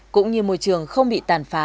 cũng như môi trường không bị tàn phá